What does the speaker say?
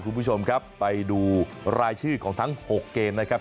คุณผู้ชมครับไปดูรายชื่อของทั้ง๖เกมนะครับ